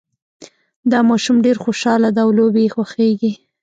دا ماشوم ډېر خوشحاله ده او لوبې یې خوښیږي